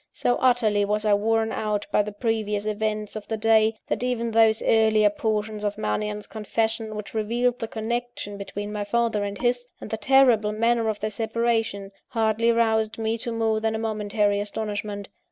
So utterly was I worn out by the previous events of the day, that even those earlier portions of Mannion's confession, which revealed the connection between my father and his, and the terrible manner of their separation, hardly roused me to more than a momentary astonishment.